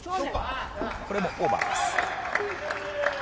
これもオーバーです。